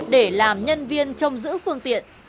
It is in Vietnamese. để làm nhân viên trong giữ phương tiện